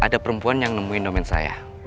kok kamu bisa di sini